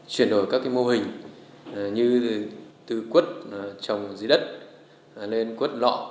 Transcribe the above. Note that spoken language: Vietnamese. chuyển đổi các mô hình như từ cốt trồng dưới đất lên cốt lọ